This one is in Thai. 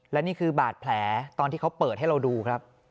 และนี่คือบาดแผลตอนที่เขาเปิดให้เราดูครับ